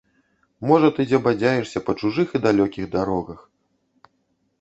Можа, ты дзе бадзяешся па чужых і далёкіх дарогах!